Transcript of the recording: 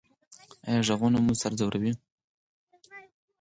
ایا غږونه مو سر ځوروي؟